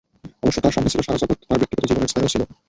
অবশ্য তাঁর সামনে ছিল সারা জগৎ, তাঁর ব্যক্তিগত জীবনের ছায়াও ছিল।